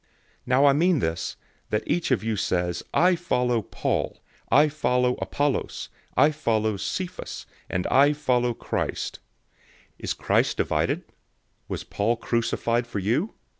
001:012 Now I mean this, that each one of you says, "I follow Paul," "I follow Apollos," "I follow Cephas," and, "I follow Christ." 001:013 Is Christ divided? Was Paul crucified for you?